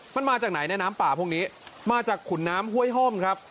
มันมาจากไหนเนี่ยน้ำป่าพวกนี้มาจากขุนน้ำห้วยห้อมครับ